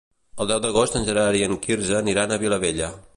El deu d'agost en Gerard i en Quirze aniran a la Vilavella.